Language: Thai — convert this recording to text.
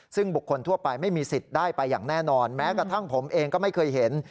ซึ่งบุคคลทั่วไปไม่มีสิทธิ์ได้ไปอย่างแน่นอนแม้กระทั่งผมเองก็ไม่เคยเห็น